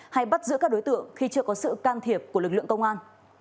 hay bắt giữ các đối tượng khi chưa có sự can thiệp của lực lượng công an